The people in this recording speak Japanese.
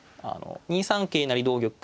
２三桂成同玉